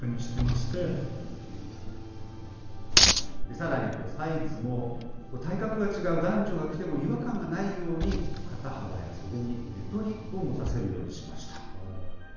さらにサイズも、体格が違う男女が着ても違和感がないように、肩幅や袖にゆとりを持たせるようにしました。